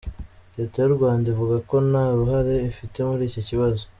Leta y’u Rwanda ivuga ko nta ruhare ifite muri iki kibazo!